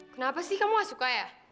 kenapa sih kamu gak suka ya